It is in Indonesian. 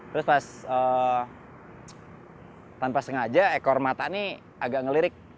terus pas tanpa sengaja ekor mata ini agak ngelirik